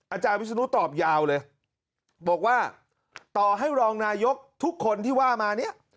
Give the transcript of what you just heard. อาจารย์วิศนุตอบยาวเลยบอกว่าต่อให้รองนายกทุกคนที่ว่ามาเนี่ย